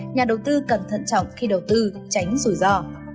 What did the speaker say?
nhà đầu tư cần thận trọng khi đầu tư tránh rủi ro